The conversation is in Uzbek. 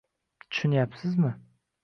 tushunyapsizmi